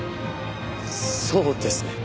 そうですね